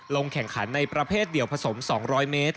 ลงแข่งขันในประเภทเดียวผสม๒๐๐เมตร